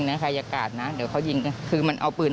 มีการฆ่ากันห้วย